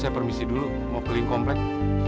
kasih dulu mau pilih komplek